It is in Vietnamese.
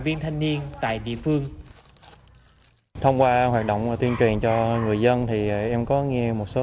viên thanh niên tại địa phương thông qua hoạt động tuyên truyền cho người dân thì em có nghe một số